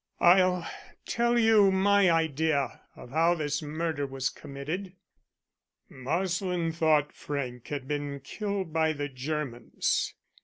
"I'll tell you my idea of how this murder was committed. Marsland thought Frank had been killed by the Germans.